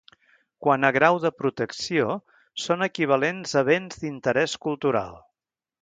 Quant a grau de protecció són equivalents a béns d'interès cultural.